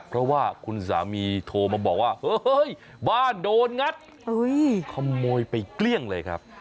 เพราะว่าคุณสามีโทรมาบอกว่าเฮ้ยบ้านโดนงัดขโมยไปเกลี้ยงเลยครับ